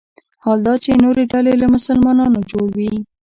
حال دا چې نورې ډلې له مسلمانانو جوړ وي.